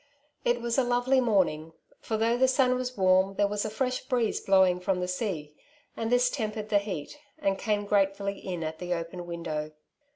It was a lovely morning, for though the sun waa warm there was a fresh breeze blowing from the sea, and this tempered the heat, and came gratefully in at the open window.